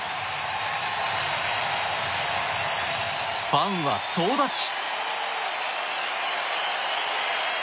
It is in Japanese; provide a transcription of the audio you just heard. ファンは総立ち！